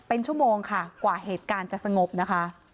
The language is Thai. เป็นชั่วโมงค่ะกว่าเหตุการณ์จะสงบนะคะ